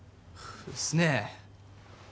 っすねえ。